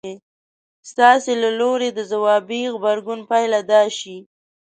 ستاسې له لوري د ځوابي غبرګون پايله دا شي.